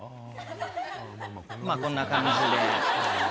まあこんな感じで。